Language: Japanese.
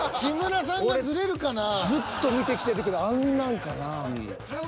ずっと見てきてるけどあんなんかな。